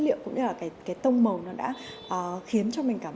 liệu cũng như là cái cái tông màu nó đã ờ khiến cho mình cảm